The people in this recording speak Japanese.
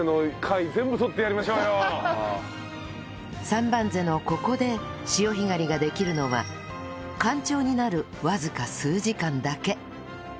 三番瀬のここで潮干狩りができるのは干潮になるわずか数時間だけ